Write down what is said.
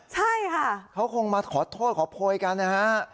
ใช่ค่ะเขาคงมาขอโทษขอโพยกันนะฮะ